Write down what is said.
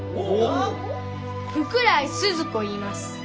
福来スズ子いいます。